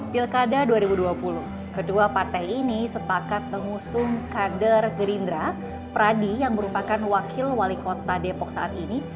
pilkada dua ribu dua puluh kedua partai ini sepakat mengusung kader gerindra pradi yang merupakan wakil wali kota depok saat ini